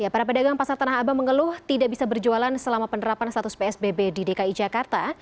para pedagang pasar tanah abang mengeluh tidak bisa berjualan selama penerapan status psbb di dki jakarta